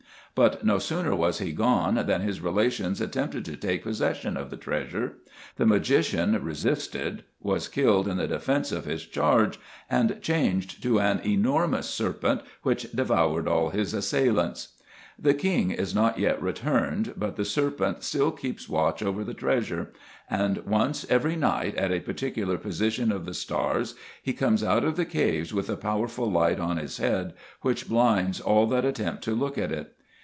But no sooner was he gone, than his relations attempted to take possession of the treasure : the magician resisted, was killed in the defence of his charge, and changed to an enormous serpent, which devoured all his assailants. The king is not yet returned, but the serpent still keeps watch over the treasure ; and once every night, at a par ticular position of the stars, he comes out of the caves, with a powerful light on his head, which blinds all that attempt to look at it.